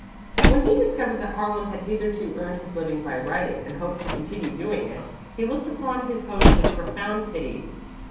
When he discovered that Harlan had hitherto earned his living by writing and hoped to continue doing it, he looked upon his host with profound pity.